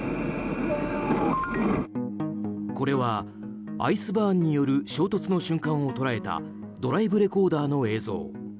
これはアイスバーンによる衝突の瞬間を捉えたドライブレコーダーの映像。